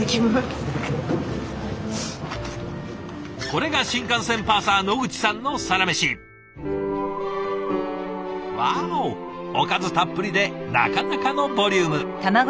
これが新幹線パーサー野口さんのサラメシ。わおおかずたっぷりでなかなかのボリューム。